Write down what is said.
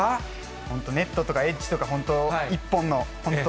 本当、ネットとかエッジとか、本当、１本の本当